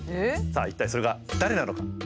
さあ一体それが誰なのか。